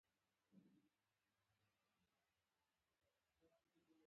زه ډېر ښه سړى يم.